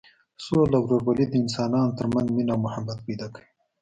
سوله او ورورولي د انسانانو تر منځ مینه او محبت پیدا کوي.